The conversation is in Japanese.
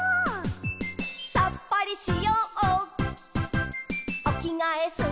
「さっぱりしようおきがえすっきり」